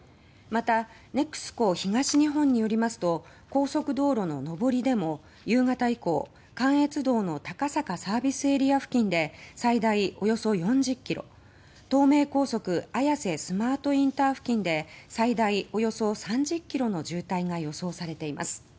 またネクスコ東日本によりますと高速道路の上りでも夕方以降関越道の高坂ＳＡ付近で最大およそ４０ｋｍ東名高速綾瀬スマートＩＣ付近で最大およそ３０ｋｍの渋滞が予想されています。